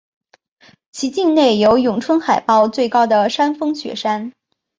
其境内有永春海报最高的山峰雪山。